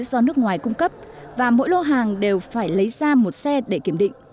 do nước ngoài cung cấp và mỗi lô hàng đều phải lấy ra một xe để kiểm định